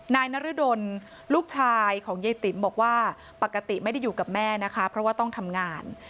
นายนรดลลูกชายของยายติ๋มบอกว่าปกติไม่ได้อยู่กับแม่นะคะเพราะว่าต้องทำงาน